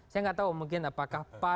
saya gak tau mungkin apakah